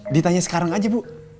ditanya sekarang aja bu